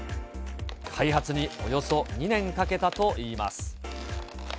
開発におよそ２年かけたといいます。